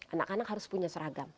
anak anak harus punya seragam